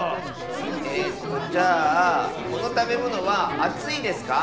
えっとじゃあこのたべものはあついですか？